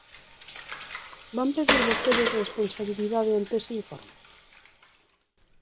¿Van pedir vostedes responsabilidade ante ese informe?